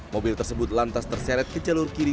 mobil tersebut lantas terseret ke jalur kiri